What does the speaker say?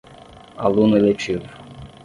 Aluno eletivo